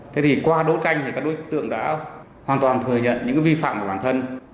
thế thì qua đấu tranh thì các đối tượng đã hoàn toàn thừa nhận những vi phạm của bản thân